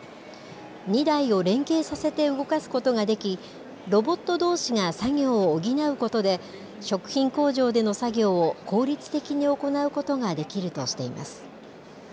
２台を連携させて動かすことができ、ロボットどうしが作業を補うことで、食品工場での作業を効率的に行うことができるとしています。